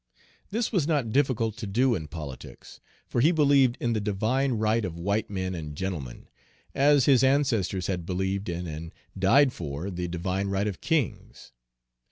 This was not difficult to do in politics, for he believed in the divine right of white men and gentlemen, as his ancestors had believed in and died for the divine right of kings.